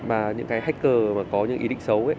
và những cái hacker mà có những ý định xấu ấy